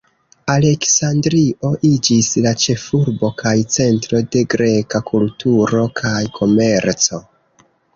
Aleksandrio iĝis la ĉefurbo kaj centro de greka kulturo kaj komerco.